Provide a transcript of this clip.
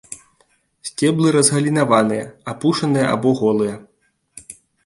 Сцеблы разгалінаваныя, апушаныя або голыя.